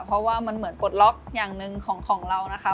เพราะว่ามันเหมือนปลดล็อกอย่างหนึ่งของเรานะคะ